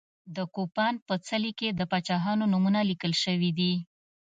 د کوپان په څلي کې د پاچاهانو نومونه لیکل شوي دي.